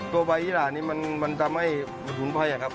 ตัวใบยี่รานี่มันทำให้แผ่นขุนไพรครับ